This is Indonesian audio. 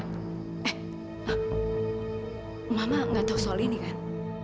eh mama nggak tahu soal ini kan